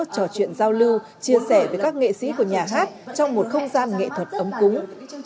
trò chuyện giao lưu chia sẻ với các nghệ sĩ của nhà hát trong một không gian nghệ thuật ấm cúng